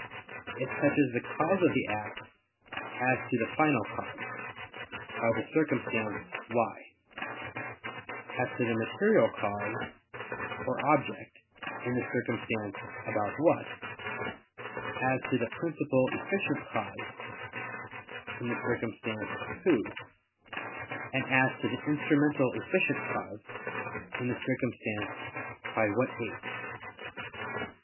It touches the cause of the act, as to the final cause, by the circumstance "why"; as to the material cause, or object, in the circumstance "about what"; as to the principal efficient cause, in the circumstance "who"; and as to the instrumental efficient cause, in the circumstance "by what aids."